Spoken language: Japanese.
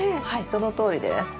はいそのとおりです。